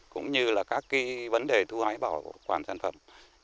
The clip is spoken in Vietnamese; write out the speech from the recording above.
cũng như các vấn đề thu hãi bảo quản sản phẩm